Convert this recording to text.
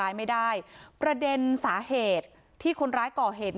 อันนี้มันอุบัติเหตุอุบัติเหตุ